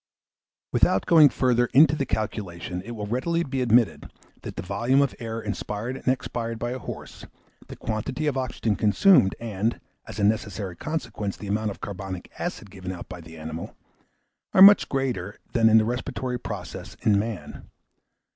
Without going further into the calculation, it will readily be admitted, that the volume of air inspired and expired by a horse, the quantity of oxygen consumed, and, as a necessary consequence, the amount of carbonic acid given out by the animal, are much greater than in the respiratory process in man.